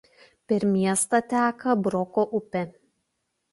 Per miestą teka Broko upė.